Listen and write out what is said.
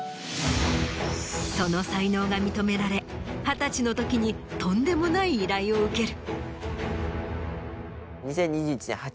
その才能が認められ二十歳のときにとんでもない依頼を受ける。